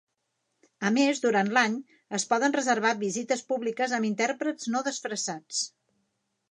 A més, durant l'any, es poden reservar visites públiques amb intèrprets no desfressats.